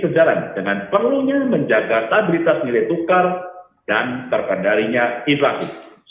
rapat dewan gubernur ban erissa pada sembilan dan sepuluh februari dua ribu dua puluh dua